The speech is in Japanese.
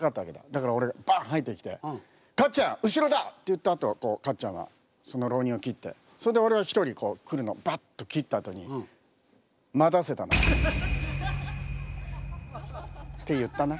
だから俺がバンッ入ってきて「かっちゃん後ろだ！」って言ったあとかっちゃんはその浪人を斬ってそれで俺は一人来るのをバッと斬ったあとにって言ったな。